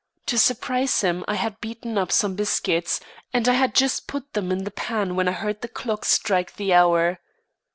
To surprise him I had beaten up some biscuits, and I had just put them in the pan when I heard the clock strike the hour.